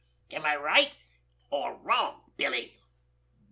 Am I right—or wrong, Billy?"